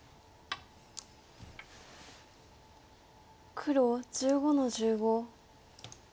黒１５の十五。